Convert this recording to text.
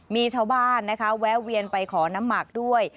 มีชาวบ้านนะคะแวะเวียนไปขอน้ำหมักด้วย